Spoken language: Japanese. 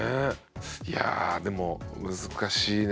いやでも難しいね。